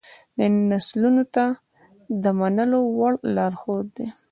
دا نسلونو ته د منلو وړ لارښود دی.